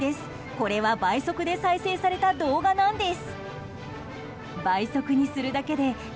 これは倍速で再生された動画なんです。